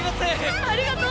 ありがとう！